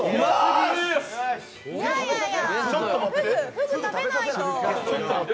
ふぐ食べないと。